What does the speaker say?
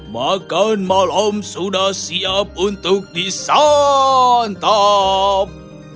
makan malam sudah siap untuk disantap